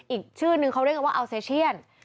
อีกชื่อนึงเขาเรียกกันว่าอัลเซเชียน